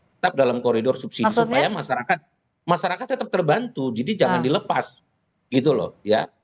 tetap dalam koridor subsidi supaya masyarakat tetap terbantu jadi jangan dilepas gitu loh ya